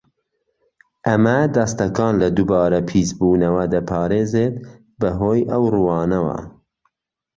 ئەمە دەستەکان لە دووبارە پیسبوونەوە دەپارێزێت بەهۆی ئەو ڕووانەوە.